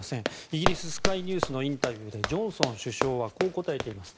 イギリスのスカイニュースのインタビューでジョンソン首相はこう答えています。